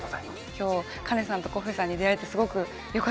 今日カネさんとコッフェさんに出会えてすごくよかったです。